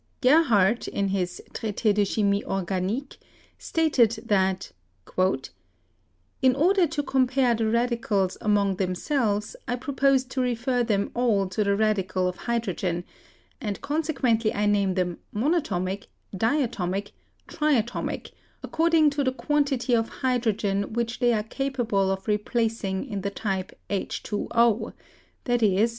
H, Gerhardt in his "Traite de Chimie Organique" stated that "In order to compare the radicles among them selves, I propose to refer them all to the radicle of hydro gen, and consequently I name them monatomic, diatomic, triatomic according to the quantity of hydrogen which they are capable of replacing in the type H 2 — i.e.